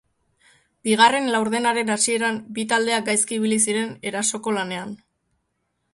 Bigarren laurdenaren hasieran bi taldeak gaizki ibili ziren erasoko lanean.